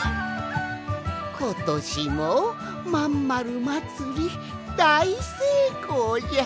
ことしもまんまるまつりだいせいこうじゃ。